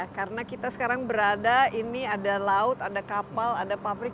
karena kita sekarang berada ini ada laut ada kapal ada pabrik